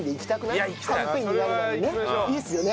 いいっすよね？